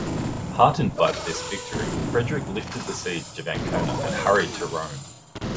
Heartened by this victory, Frederick lifted the siege of Ancona and hurried to Rome.